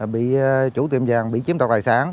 bị chủ tiệm vàng bị chiếm đọc tài sản